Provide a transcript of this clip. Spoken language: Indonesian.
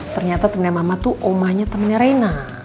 ternyata temennya mama tuh omahnya temennya reina